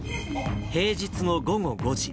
平日の午後５時。